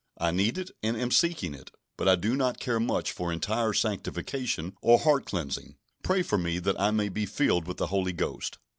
I need it, and am seeking it; but I do not care much for entire sanctification or heart cleansing. Pray for me that I may be filled with the Holy Ghost."